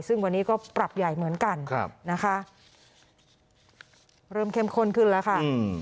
ซึ่งวันนี้ก็ปรับใหญ่เหมือนกันนะคะเริ่มเข้มข้นขึ้นแล้วค่ะ